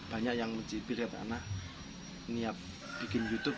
banyak yang menjimpirkan karena niat bikin youtube